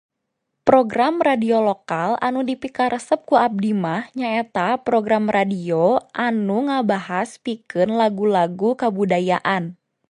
Program radio lokal anu dipikaresep ku abdi mah nyaeta program radio anu ngabahas pikeun lagu-lagu kabudayaan.